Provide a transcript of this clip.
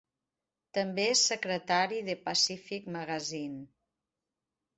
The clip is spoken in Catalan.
També és secretari de "Pacific Magazine".